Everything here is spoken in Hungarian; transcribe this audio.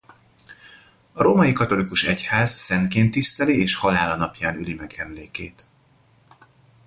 A római katolikus egyház szentként tiszteli és halála napján üli meg emlékét.